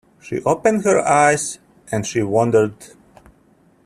She opened her eyes, and she wondered.